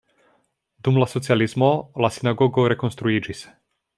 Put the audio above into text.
Dum la socialismo la sinagogo rekonstruiĝis.